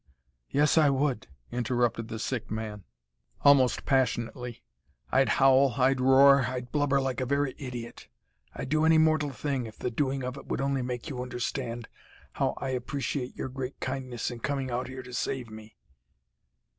yes, I would!" interrupted the sick man, almost passionately; "I'd howl, I'd roar, I'd blubber like a very idiot, I'd do any mortal thing, if the doing of it would only make you understand how I appreciate your great kindness in coming out here to save me."